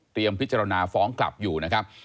พิจารณาฟ้องกลับอยู่นะครับ